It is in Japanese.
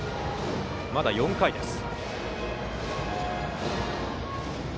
まだ４回です。